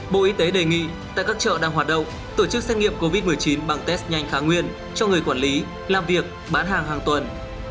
bộ y tế đề nghị tại các chợ đang hoạt động tổ chức xét nghiệm covid một mươi chín bằng test nhanh kháng nguyên cho người quản lý làm việc bán hàng hàng tuần